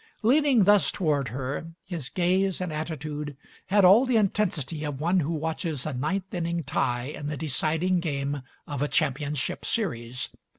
Leaning thus toward her, his gaze and attitude had all the intensity of one who watches a ninth inning tie in the deciding game of a championship series.